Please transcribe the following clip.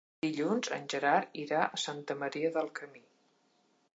Dilluns en Gerard irà a Santa Maria del Camí.